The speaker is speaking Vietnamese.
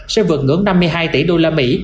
sẽ vượt ngưỡng năm mươi hai tỷ usd